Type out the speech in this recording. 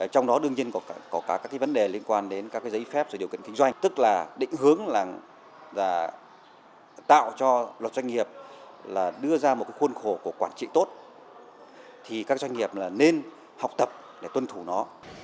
trong đó đương nhiên có các vấn đề liên quan đến các giấy phép và điều kiện kinh doanh tức là định hướng là tạo cho loạt doanh nghiệp đưa ra một khuôn khổ của quản trị tốt thì các doanh nghiệp nên học tập để tuân thủ nó